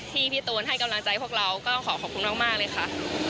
พี่ตูนให้กำลังใจพวกเราก็ขอขอบคุณมากเลยค่ะ